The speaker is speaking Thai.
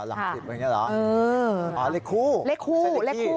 อ๋อน้ั้นแหละเลขคู่